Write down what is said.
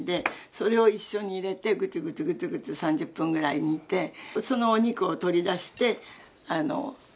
それを一緒に入れてグツグツグツグツ３０分ぐらい煮てそのお肉を取り出して薄く切って」